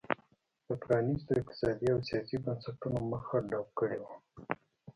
د پرانیستو اقتصادي او سیاسي بنسټونو مخه ډپ کړې وه.